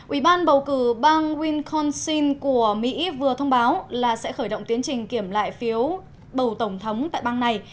ủy ban bầu cử bang winconsin của mỹ vừa thông báo là sẽ khởi động tiến trình kiểm lại phiếu bầu tổng thống tại bang này